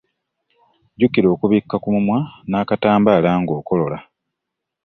Jjukira okubikka ku mumwa n'akatambaala ng'okolola.